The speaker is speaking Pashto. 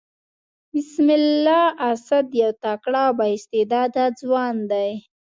بسم الله اسد يو تکړه او با استعداده ځوان دئ.